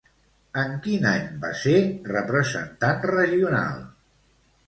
En quin any va ser representant regional?